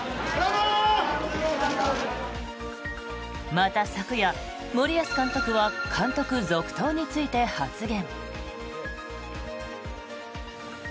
また昨夜、森保監督は監督続投について発言。